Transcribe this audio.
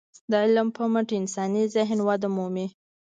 د علم په مټ انساني ذهن وده مومي.